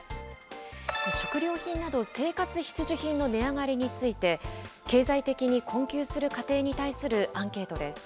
食料品など、生活必需品の値上がりについて、経済的に困窮する家庭に対するアンケートです。